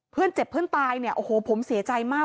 เพื่อนเจ็บเพื่อนตายเนี่ยโอ้โหผมเสียใจมาก